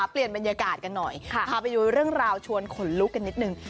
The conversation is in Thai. เปลี่ยนบรรยากาศกันหน่อยพาไปดูเรื่องราวชวนขนลุกกันนิดนึง